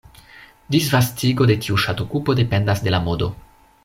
Disvastigo de tiu ŝatokupo dependas de la modo.